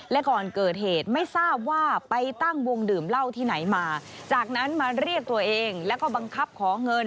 และก่อนเกิดเหตุไม่ทราบว่าไปตั้งวงดื่มเหล้าที่ไหนมาจากนั้นมาเรียกตัวเองแล้วก็บังคับขอเงิน